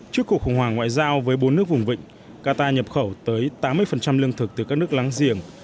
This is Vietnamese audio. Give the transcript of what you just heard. trước cuộc khủng hoảng ngoại giao với bốn nước vùng vịnh qatar nhập khẩu tới tám mươi lương thực từ các nước láng giềng